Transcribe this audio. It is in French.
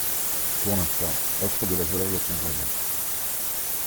Pour l'instant, offre de la volaille à ton voisin.